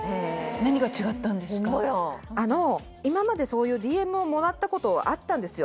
今までそういうＤＭをもらったことはあったんですよ